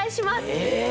え！